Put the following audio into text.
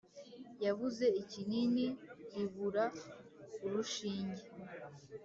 Yabuze ikinini ibura urushinge